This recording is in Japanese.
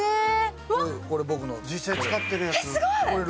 これ、実際に使ってるやつ。